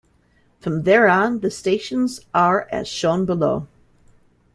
From there on, the stations are as shown below.